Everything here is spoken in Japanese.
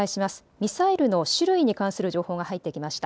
ミサイルの種類に関する情報が入ってきました。